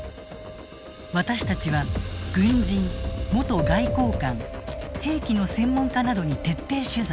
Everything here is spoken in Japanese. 私たちは軍人元外交官兵器の専門家などに徹底取材。